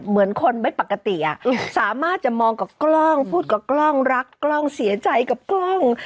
เหมือนคนไม่ปกติสามารถจะมองกับกล้องพูดกับกล้องรักกล้องเสียใจกับกล้อง